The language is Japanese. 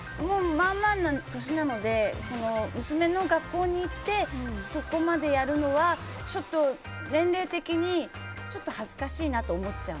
まあまあな年なので娘の学校に行ってそこまでやるのはちょっと年齢的に恥ずかしいなと思っちゃう。